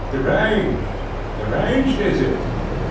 "Deranged? deranged is it?